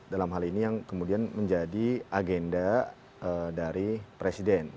dalam hal ini yang kemudian menjadi agenda dari presiden